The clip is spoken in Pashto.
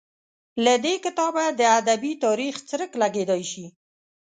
له دې کتابه د ادبي تاریخ څرک لګېدای شي.